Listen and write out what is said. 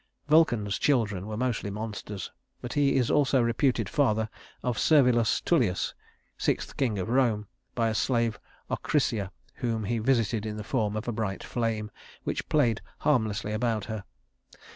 Vulcan's children were mostly monsters; but he is also the reputed father of Servius Tullius, sixth king of Rome, by a slave Ocrisia whom he visited in the form of a bright flame, which played harmlessly about her.